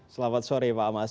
selamat sore pak amas